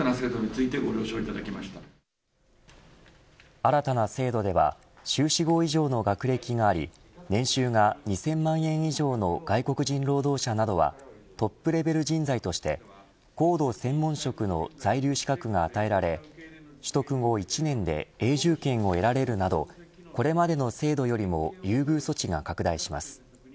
新たな制度では修士号以上の学歴があり年収が２０００万円以上の外国人労働者などはトップレベル人材として高度専門職の在留資格が与えられ取得後１年で永住権を得られるなどこれまでの制度よりも優遇措置が拡大します。